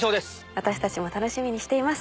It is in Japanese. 私たちも楽しみにしています。